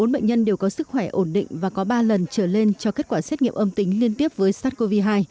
bốn bệnh nhân đều có sức khỏe ổn định và có ba lần trở lên cho kết quả xét nghiệm âm tính liên tiếp với sars cov hai